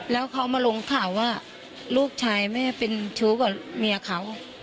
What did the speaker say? แล้วเขามาลงข่าวว่าลูกชายแม่เป็นชู้กับเมียเขา